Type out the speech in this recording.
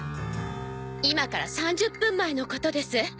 今から３０分前のことです。